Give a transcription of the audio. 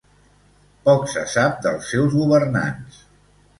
Poc se sap dels seus governants.